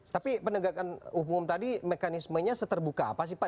tapi penegakan umum tadi mekanismenya seperti apa